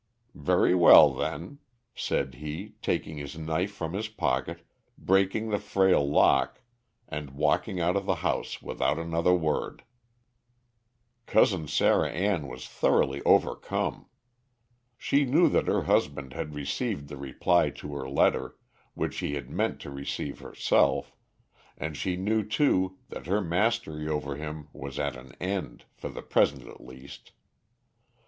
"Very well, then," said he, taking his knife from his pocket, breaking the frail lock, and walking out of the house without another word. [Illustration: "VERY WELL, THEN."] Cousin Sarah Ann was thoroughly overcome. She knew that her husband had received the reply to her letter, which she had meant to receive herself, and she knew too that her mastery over him was at an end, for the present at least.